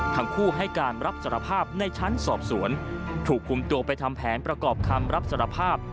ทั้งคู่ให้การรับสารภาพในชั้นสอบสวนถูกคุมตัวไปทำแผนประกอบคำรับสารภาพ